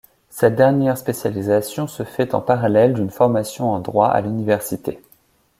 Cette dernière spécialisation se fait en parallèle d'une formation en Droit à l'université.